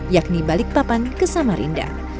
yakni balikpapan ke samarinda